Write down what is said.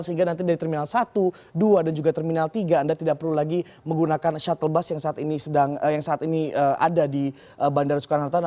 sehingga nanti dari terminal satu dua dan juga terminal tiga anda tidak perlu lagi menggunakan shuttle bus yang saat ini ada di bandara soekarno hatta